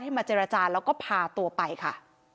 มาเจรจาแล้วก็พาตัวไปค่ะ